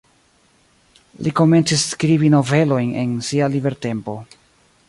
Li komencis skribi novelojn en sia libertempo.